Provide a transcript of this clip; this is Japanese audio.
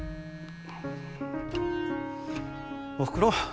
おふくろ？